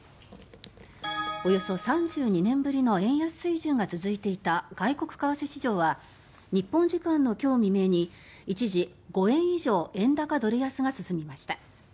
およそ３２年ぶりの円安水準が続いていた外国為替市場は日本時間の今日未明に一時、５円以上円高・ドル安が進みました。